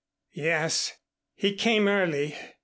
"Yes. He came early.